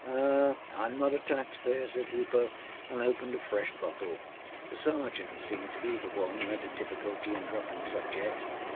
â âAh! Iâm not a tax payer,â said Hooper, and opened a fresh bottle. The Sergeant seemed to be one who had a difficulty in dropping subjects.